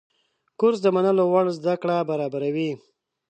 کورس د منلو وړ زده کړه برابروي.